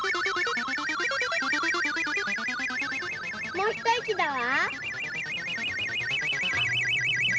もうひといきだわ。